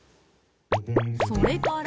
それから？